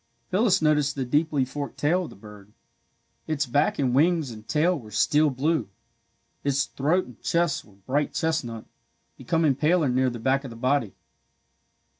Phyllis noticed the deeply forked tail of the bird. Its back and wings and tail were steel blue. Its throat and chest were bright chestnut, becoming paler near the back of the body.